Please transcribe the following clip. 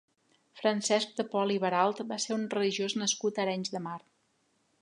Francesc de Pol i Baralt va ser un religiós nascut a Arenys de Mar.